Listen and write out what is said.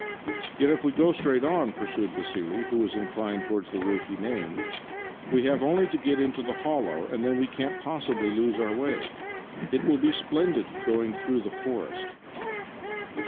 " Yet, if we go straight on," pursued Vassili, who was inclined towards the route he named, " we have only to get into the hollow, and then we can't possibly lose our way. It will be splendid going through the forest."